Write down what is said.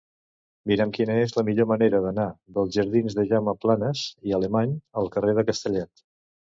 Mira'm quina és la millor manera d'anar dels jardins de Jaume Planas i Alemany al carrer de Castellet.